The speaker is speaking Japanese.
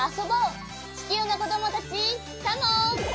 ちきゅうのこどもたちカモン！